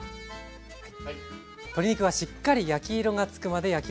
鶏肉はしっかり焼き色がつくまで焼きましょう。